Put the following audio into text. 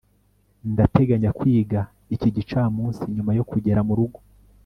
ndateganya kwiga iki gicamunsi nyuma yo kugera murugo